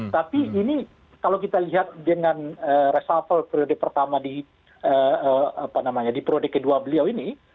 tapi ini kalau kita lihat dengan reshuffle periode pertama di periode kedua beliau ini